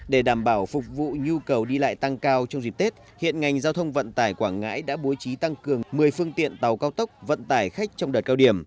để đảm bảo phục vụ nhu cầu đi lại tăng cao trong dịp tết hiện ngành giao thông vận tải quảng ngãi đã bố trí tăng cường một mươi phương tiện tàu cao tốc vận tải khách trong đợt cao điểm